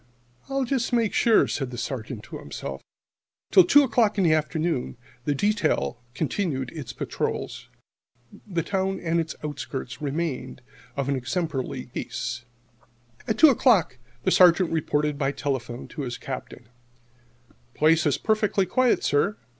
"I'll just make sure," said the Sergeant to himself. Till two o'clock in the afternoon the detail continued its patrols. The town and its outskirts remained of an exemplary peace. At two o'clock the Sergeant reported by telephone to his Captain: "Place perfectly quiet, sir.